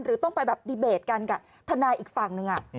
ต้องไปแบบดีเบตกันกับทนายอีกฝั่งหนึ่ง